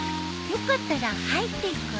よかったら入ってく？